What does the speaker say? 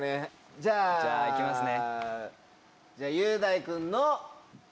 じゃあ行きますね。